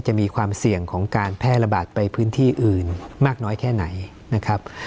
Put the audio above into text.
จะมีความเสี่ยงของการแพร่ระบาดไปพื้นที่อื่นมากน้อยแค่ไหนนะครับ